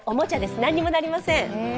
何もなりません。